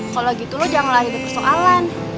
kalau gitu lo jangan lari dari persoalan